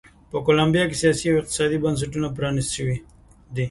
په کولمبیا کې سیاسي او اقتصادي بنسټونه پرانیست شوي دي.